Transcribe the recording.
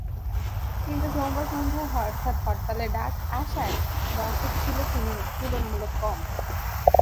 কিন্তু সোমবার সন্ধ্যায় হঠাৎ হরতালের ডাক আসায় দর্শক ছিল তুলনামূলক কম।